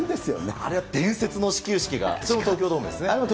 あれは伝説の始球式が、あれも東京ドームですね。